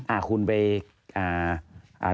อ่าคุณไปอ่า